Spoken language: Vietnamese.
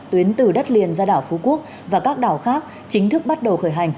tuyến từ đất liền ra đảo phú quốc và các đảo khác chính thức bắt đầu khởi hành